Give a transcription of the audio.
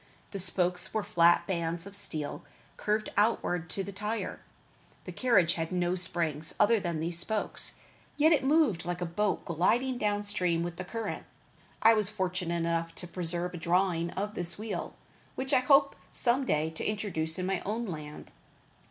The spokes were flat bands of steel, curved outward to the tire. The carriage had no spring other than these spokes, yet it moved like a boat gliding down stream with the current. I was fortunate enough to preserve a drawing of this wheel, which I hope some day to introduce in my own land.